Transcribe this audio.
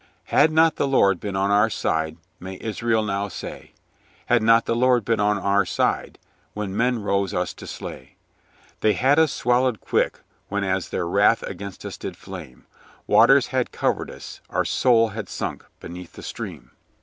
Had not the Lord been on our side May Israel now say ; Had not the Lord been on our side When men rose us to slay ; They had us swallowed quick when as Their wrath 'gainst us did flame; Waters had covered us; our soul Had sunk beneath the stream.